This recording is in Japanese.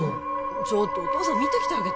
ちょっとお父さん見てきてあげて・